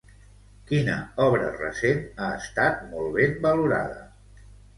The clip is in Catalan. Quina obra recent ha estat molt ben valorada?